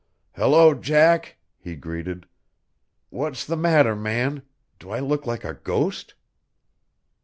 "Hello, Jack!" he greeted. "What's the matter, man? Do I look like a ghost?"